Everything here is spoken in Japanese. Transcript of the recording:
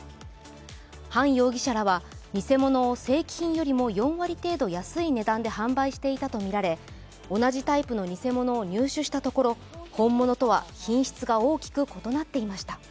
ハン容疑者らは偽物を正規品よりも４割程度安い値段で販売していたとみられ同じタイプの偽者を入手したところ、本物とは品質が大きくことなっていました。